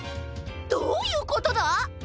どういうことだ！？